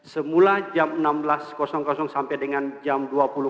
semula jam enam belas sampai dengan jam dua puluh